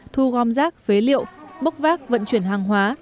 thu gom rác phế liệu bốc vác vận chuyển hàng hóa